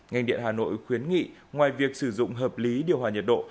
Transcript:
ngành điện hà nội khuyến nghị ngoài việc sử dụng hợp lý điều hòa nhiệt độ